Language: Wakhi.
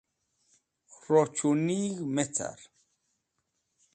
Rochunig̃h me car.